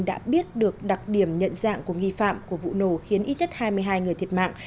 đã biết được đặc điểm nhận dạng của nghi phạm của vụ nổ khiến ít nhất hai mươi hai người thiệt mạng